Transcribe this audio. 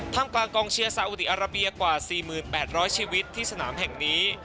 ทำกลางกองเชียร์สาอุดีอาราเบียกว่า๔๘๐๐ชีวิตที่สนามแห่งนี้